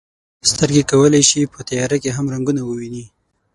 سترګې کولی شي په تیاره کې هم رنګونه وویني.